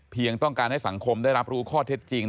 ต้องการให้สังคมได้รับรู้ข้อเท็จจริง